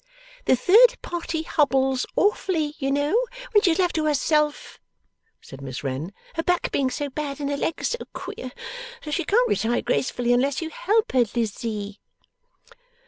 'The third party hobbles awfully, you know, when she's left to herself;' said Miss Wren, 'her back being so bad, and her legs so queer; so she can't retire gracefully unless you help her, Lizzie.